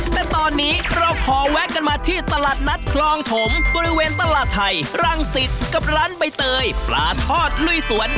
แต่ตอนนี้เราขอแวะกันมาที่ตลาดนัดคลองถมบริเวณตลาดไทยรังสิตกับร้านใบเตยปลาทอดลุยสวน